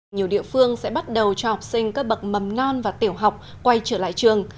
nhiều địa phương sẽ bắt đầu cho học sinh các bậc mầm non và tiểu học quay trở lại trường